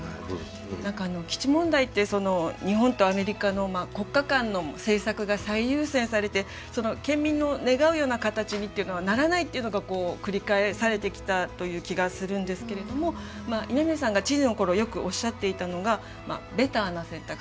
何か基地問題って日本とアメリカの国家間の政策が最優先されて県民の願うような形にっていうのはならないっていうのがこう繰り返されてきたという気がするんですけれども稲嶺さんが知事の頃よくおっしゃっていたのがベターな選択。